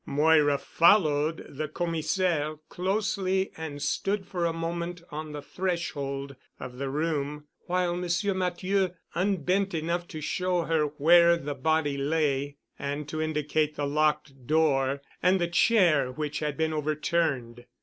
Moira followed the Commissaire closely and stood for a moment on the threshold of the room while Monsieur Matthieu unbent enough to show her where the body lay and to indicate the locked door and the chair which had been overturned.